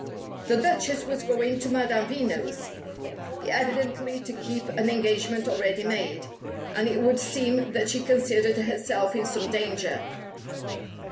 The Duchess was going to Madame Veno's, evidently to keep an engagement already made, and it would seem that she considered herself in some danger.